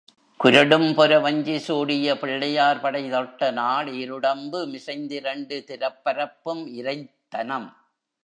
குரொடும்பொர வஞ்சிசூடிய பிள்ளையார்படை தொட்டநாள் ஈருடம்பு மிசைந்திரண்டுதிரப்பரப்பும் இரைத் தனம்.